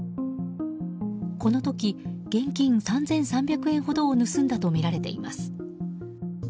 この時、現金３３００円ほどを盗んだとみられています。